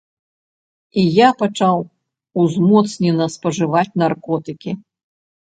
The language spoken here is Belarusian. І я пачаў узмоцнена спажываць наркотыкі.